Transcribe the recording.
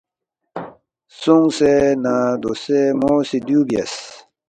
سونگسے نہ دوسے مو سی دیُو بیاس